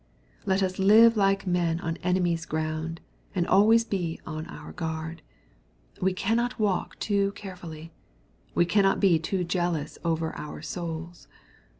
Let us live like men on enemy's ground, and be always on our guard. We cannot walk too carefully. We cannot be too jealous over our souls.